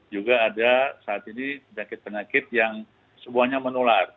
juga ada saat ini penyakit penyakit yang semuanya menular